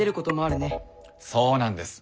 そうなんです。